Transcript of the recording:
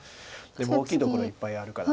でも大きいところいっぱいあるから。